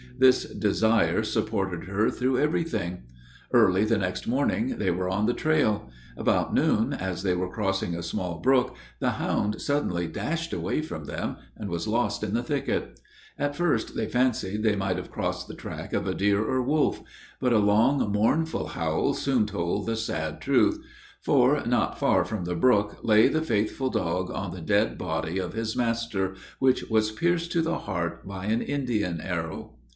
This desire supported her through everything. Early the next morning they were on the trail. About noon, as they were crossing a small brook, the hound suddenly dashed away from them, and was lost in the thicket. At first they fancied they might have crossed the track of a deer or wolf; but a long, mournful howl soon told the sad truth, for, not far from the brook, lay the faithful dog on the dead body of his master, which was pierced to the heart by an Indian arrow.